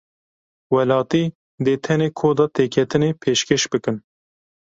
Welatî dê tenê koda têketinê pêşkêş bikin.